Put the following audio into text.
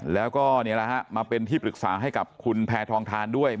แล้วก็มาเป็นที่ปรึกษาให้กับคุณแพทองทานด้วย